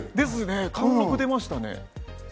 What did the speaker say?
貫禄出ましたね。